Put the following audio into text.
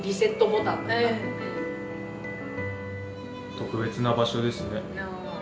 特別な場所ですね。